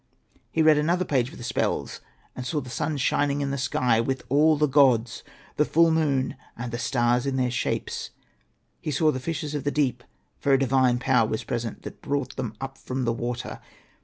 He read another page of the spells, and saw the sun shining in the sky, with all the gods, the full moon, and the stars in their shapes ; he saw the fishes of the deep, for a divine power was present that brought them up from the water.